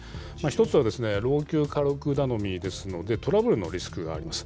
１つは、老朽火力頼みですので、トラブルのリスクがあります。